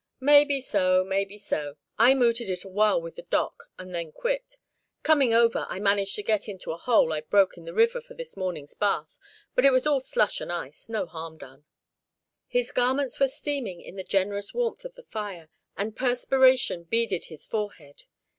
"Maybe so, maybe so. I mooted it awhile with the Doc, and then quit. Coming over, I managed to get into the hole I broke in the river for this morning's bath, but it was all slush and ice no harm done." His garments were steaming in the generous warmth of the fire, and perspiration beaded his forehead.